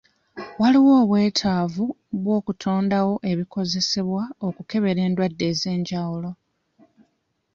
Waliwo obwetaavu bw'okutondawo ebikozesebwa okukebera endwadde ez'enjawulo.